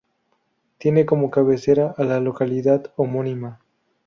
Tiene como cabecera a la localidad homónima.